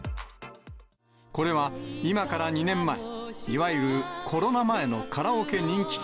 これは、今から２年前、いわゆるコロナ前のカラオケ人気曲